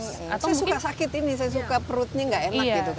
saya suka sakit ini saya suka perutnya nggak enak gitu kalau minum susu